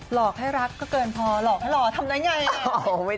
หลอกให้รักก็เกินพอหลอกให้หลอกทำได้ไง